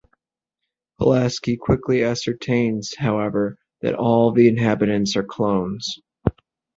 Pulaski quickly ascertains, however, that all of the inhabitants are clones.